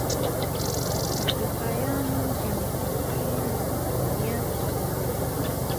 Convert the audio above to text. افریقایانو جنټیکي مصوونیت درلود.